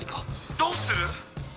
どうする？